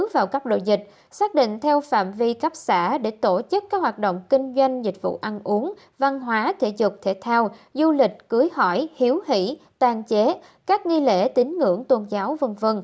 vào các lộ dịch xác định theo phạm vi cấp xã để tổ chức các hoạt động kinh doanh dịch vụ ăn uống văn hóa thể dục thể thao du lịch cưới hỏi hiếu hỉ tàn chế các nghi lễ tính ngưỡng tôn giáo v v